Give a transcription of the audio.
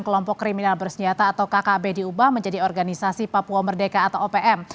kelompok kriminal bersenjata atau kkb diubah menjadi organisasi papua merdeka atau opm